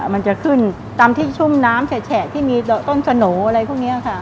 มันจะขึ้นตามที่ชุ่มน้ำแฉะที่มีต้นสโหน่อะไรพวกนี้ค่ะ